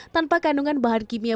tanpa kandungan bahan kimia